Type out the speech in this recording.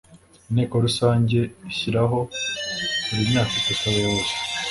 Inteko Rusange ishyiraho buri myaka itatu abayobozi